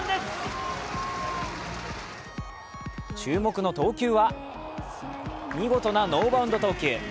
注目の投球は見事なノーバウンド投球。